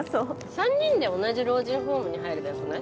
３人で同じ老人ホームに入ればよくない？